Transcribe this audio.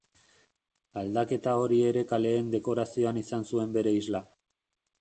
Aldaketa hori ere kaleen dekorazioan izan zuen bere isla.